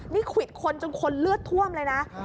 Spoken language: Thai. นี่ควิดคนจนคนเลือดท่วมเลยนะ